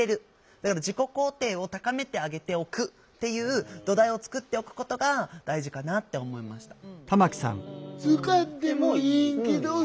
だから自己肯定を高めてあげておくっていう土台を作っておくことが大事かなって思いました。